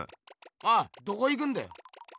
おいどこいくんだよ。